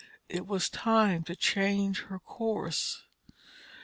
It was time to change her course.